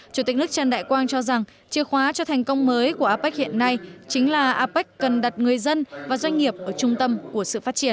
chủ tịch nước trần đại quang cho rằng chìa khóa cho thành công mới của apec hiện nay chính là apec cần đặt người dân và doanh nghiệp ở trung tâm của sự phát triển